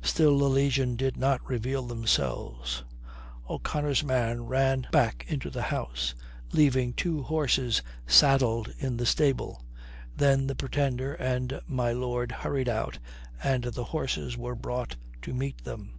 Still the legion did not reveal themselves. O'Connor's man ran back into the house, leaving two horses saddled in the stable. Then the Pretender and my lord hurried out, and the horses were brought to meet them.